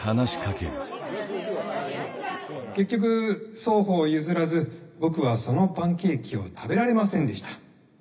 結局双方譲らず僕はそのパンケーキを食べられませんでした。